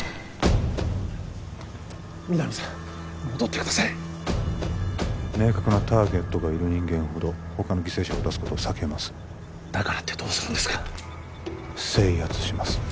皆実さん戻ってください明確なターゲットがいる人間ほどほかの犠牲者を出すことを避けますだからってどうするんですか制圧します